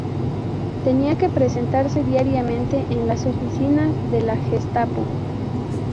Tenía que presentarse diariamente en las oficinas de la Gestapo.